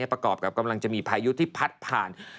ประกอบกับกำลังจะมีพายุที่พัดผ่าน